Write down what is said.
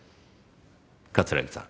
桂木さん